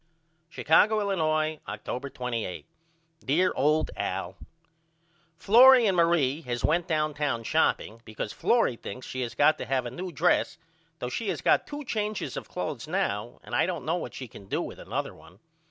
Chicago, Illinois, October 28 DEAR OLD AL: Florrie and Marie has went downtown shopping because Florrie thinks she has got to have a new dress though she has got two changes of cloths now and I don't know what she can do with another one.